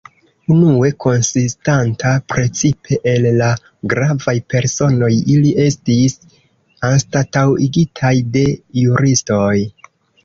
Unue konsistanta precipe el la gravaj personoj, ili estis anstataŭigitaj de juristoj.